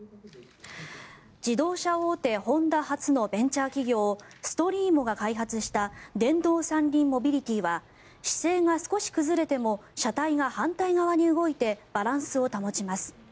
自動車大手ホンダ発のベンチャー企業ストリーモが開発した電動三輪モビリティーは姿勢が少し崩れても車体が反対側に動いてバランスを保ちます。